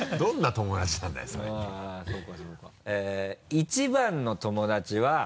一番の友達は。